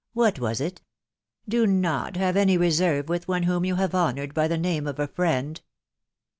. what was it ?.... Do not have any reserve with one whom you have honoured by the name of friend!"